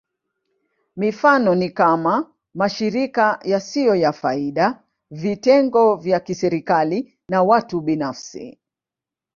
Mifano ni kama: mashirika yasiyo ya faida, vitengo vya kiserikali, na watu binafsi.